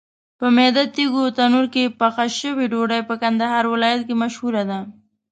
په میده تېږو تنور کې پخه شوې ډوډۍ په کندهار ولایت کې مشهوره ده.